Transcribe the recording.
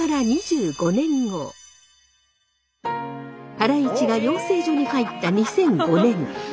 ハライチが養成所に入った２００５年。